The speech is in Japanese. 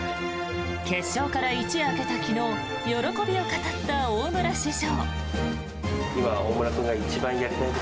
決勝から一夜明けた昨日喜びを語った大村主将。